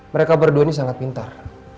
mereka berdua ini sangat pintar